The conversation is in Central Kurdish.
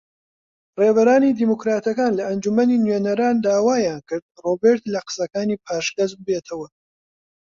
ڕێبەرانی دیموکراتەکان لە ئەنجومەنی نوێنەران داوایان کرد ڕۆبێرت لە قسەکانی پاشگەز ببێتەوە